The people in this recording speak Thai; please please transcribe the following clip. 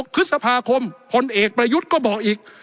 พฤษภาคมพลเอกประยุทธ์ก็บอกอีก